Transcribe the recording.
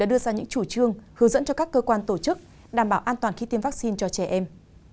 bộ y tế đã đưa ra những chủ trương hướng dẫn cho các cơ quan tổ chức đảm bảo an toàn khi tiêm vaccine cho trẻ em